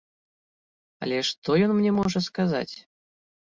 Але што ён мне можа сказаць?